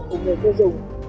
của người tiêu dùng